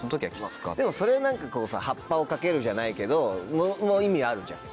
でもそれ何かハッパを掛けるじゃないけども意味あるじゃん。